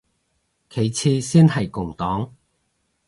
其次先係共黨